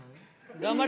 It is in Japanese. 頑張れ！